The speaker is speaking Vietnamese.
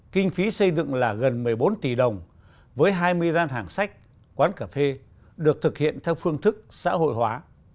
kinh phí xây dựng là gần một mươi bốn tỷ đồng với hai mươi gian hàng sách quán cà phê được thực hiện theo phương thức xã hội hóa